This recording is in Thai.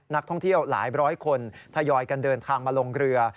นักท่องเที่ยวหลายร้อยคนทยอยกันเดินทางมาลงเรือ